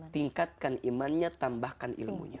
tingkatkan imannya tambahkan ilmunya